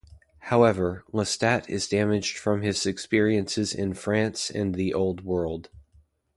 However, Lestat is damaged from his experiences in France and the Old World.